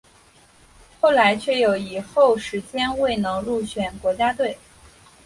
后来却有一后时间未能入选国家队。